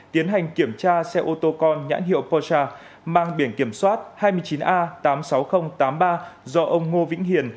tiến hành kiểm tra xe ô tô con nhãn hiệu posa mang biển kiểm soát hai mươi chín a tám mươi sáu nghìn tám mươi ba do ông ngô vĩnh hiền